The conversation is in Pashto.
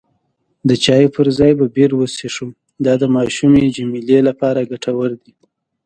د چایو پر ځای به بیر وڅښو، دا د ماشومې جميله لپاره ګټور دی.